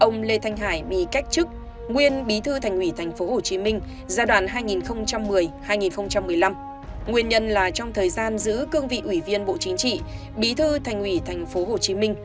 nguyên nhân là trong thời gian giữ cương vị ủy viên bộ chính trị bí thư thành ủy tp hcm